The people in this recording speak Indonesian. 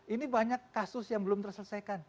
ini banyak kasus yang belum terselesaikan